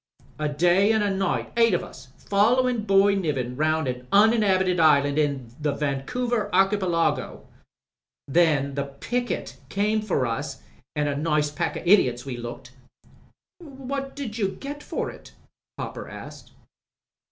A day an' a night — eight of us — ^followin' Boy Niven round an uninhabited island in the Vancouver archipelaffol Then the picket came for us an' a nice pack o* idiots we looked!" 318 TRAFFICS AND DISCOVERIES "What did you get for it ?" Hooper asked.